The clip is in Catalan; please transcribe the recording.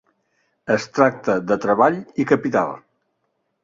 Es tracta de treball i capital.